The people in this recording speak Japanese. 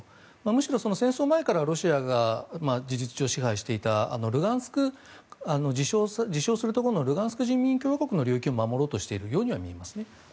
むしろ戦争前からロシアが事実上支配していた自称するところのルガンスク人民共和国の人民を守ろうとしているように見えます。